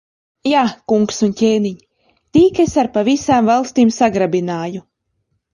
Jā, kungs un ķēniņ! Tik es ar pa visām valstīm sagrabināju.